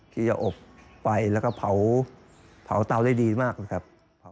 ที่จะอบไฟแล้วก็เผาเตาได้ดีมากนะครับ